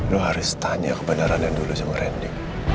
lo harus tanya kebenaran yang dulu sama randy